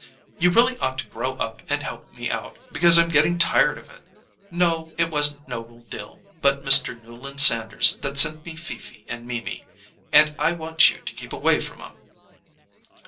You really ought to grow up and help me out, because I'm getting tired of it. No. It wasn't Noble Dill but Mr. Newland Sanders that sent me Fifi and Mimi and I want you to keep away from 'em."